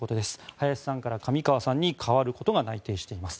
林さんから上川さんに代わることが内定しています。